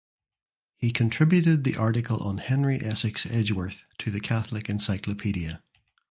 He contributed the article on Henry Essex Edgeworth to the "Catholic Encyclopedia".